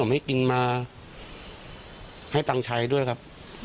ให้ตังใจด้วยครับ